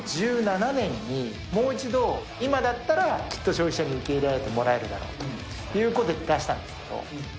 ２０１７年にもう一度、今だったらきっと消費者に受け入れてもらえるだろうということで出したんですけど。